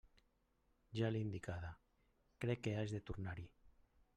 Ja l'he indicada; crec que haig de tornar-hi.